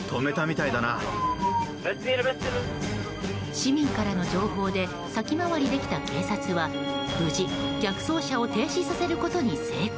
市民からの情報で先回りできた警察は無事、逆走車を停止させることに成功。